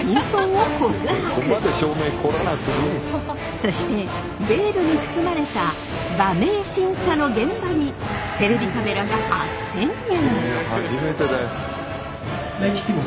そしてベールに包まれた馬名審査の現場にテレビカメラが初潜入！